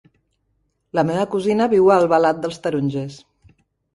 La meva cosina viu a Albalat dels Tarongers.